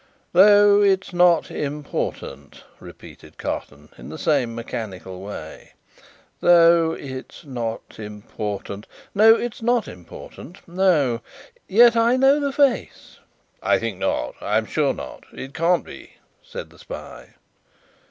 "Though it's not important," repeated Carton, in the same mechanical way "though it's not important No, it's not important. No. Yet I know the face." "I think not. I am sure not. It can't be," said the spy.